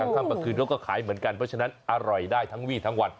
ค่ำกลางคืนเขาก็ขายเหมือนกันเพราะฉะนั้นอร่อยได้ทั้งวี่ทั้งวัน